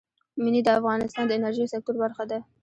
منی د افغانستان د انرژۍ سکتور برخه ده.